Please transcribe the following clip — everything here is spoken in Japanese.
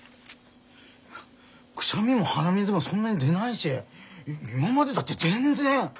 くしゃみも鼻水もそんなに出ないし今までだって全然。